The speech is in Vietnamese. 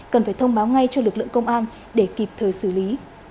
cần phải thông báo ngay cho lực lượng công an để kịp thời xử lý